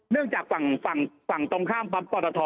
เนื่องจากฝั่งตรงข้ามปั๊มพลททล์